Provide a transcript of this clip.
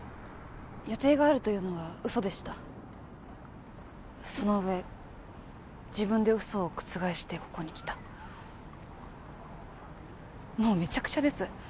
予定があるというのはウソでしたその上自分でウソを覆してここに来たもうめちゃくちゃです